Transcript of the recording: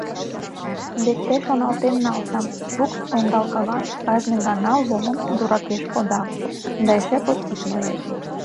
Вет те шоналтен налза: Фукс ондалкала, кажне гана Ломым дуракеш кода, да эше подкидноеш!